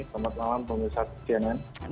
selamat malam pemirsa cnn